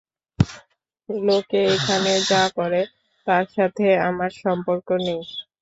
লোকে এখানে যা করে, তার সাথে আমার সম্পর্ক নেই।